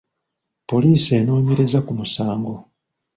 Poliisi enoonyereza ku musango.